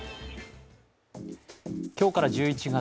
今日から１１月。